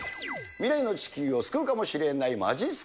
未来の地球を救うかもしれないま